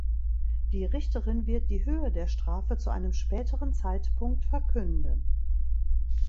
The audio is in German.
Die Richterin wird die Höhe der Strafe zu einem späteren Zeitpunkt verkünden.